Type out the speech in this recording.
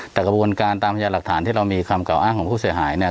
แต่กระบวนการตามพยานหลักฐานที่เรามีคำกล่าอ้างของผู้เสียหายเนี่ย